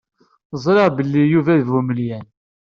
Ẓriɣ belli Yuba d bu imelyan.